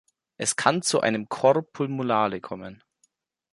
Es kann zu einem Cor pulmonale kommen.